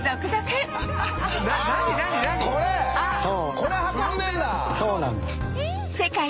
これ運んでるんだ？